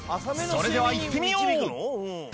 それではいってみよう。